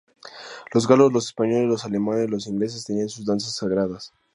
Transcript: Los galos, los españoles, los alemanes, los ingleses tenían sus danzas sagradas.